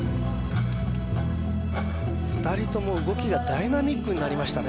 ２人とも動きがダイナミックになりましたね